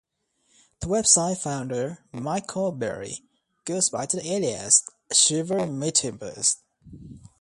The website founder, Michael Berry, goes by the alias Shiver Metimbers.